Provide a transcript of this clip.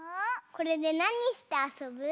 これでなにしてあそぶ？